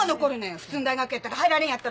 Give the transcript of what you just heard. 普通の大学やったら入られんやったろうし。